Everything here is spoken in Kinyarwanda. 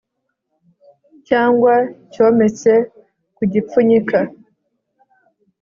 Cyangwa cyometse ku gipfunyika